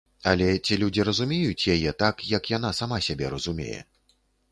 Але ці людзі разумеюць яе так, як яна сама сябе разумее?